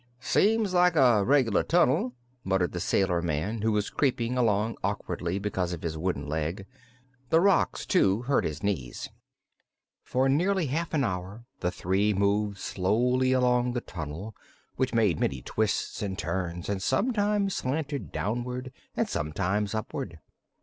"Seems like a reg'lar tunnel," muttered the sailor man, who was creeping along awkwardly because of his wooden leg. The rocks, too, hurt his knees. For nearly half an hour the three moved slowly along the tunnel, which made many twists and turns and sometimes slanted downward and sometimes upward.